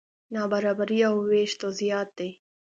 نابرابري او وېش توضیحات دي.